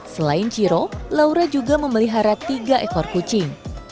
selain ciro laura juga memelihara tiga ekor kucing